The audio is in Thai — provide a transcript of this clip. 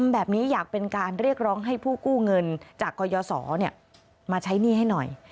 แบบนี้อยากเป็นการเรียกร้องให้ผู้กู้เงินจากกรยศมาใช้หนี้ให้หน่อย